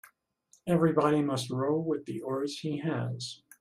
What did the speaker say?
Everybody must row with the oars he has.